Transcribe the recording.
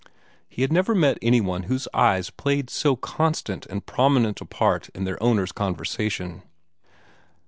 He had never met any one whose eyes played so constant and prominent a part in their owner's conversation.